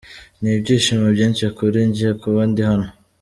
Ni ibyishimo byinshi kuri jye kuba ndi hano.